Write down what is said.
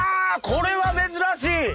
これは珍しい！